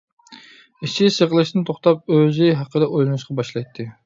ئىچى سىقىلىشتىن توختاپ ئۆزى ھەققىدە ئويلىنىشقا باشلايتتى.